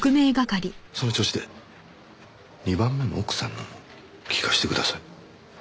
その調子で２番目の奥さんのも聞かせてください。